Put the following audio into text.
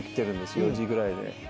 ４時ぐらい。